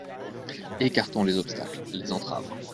Écartons les obstacles, les entraves.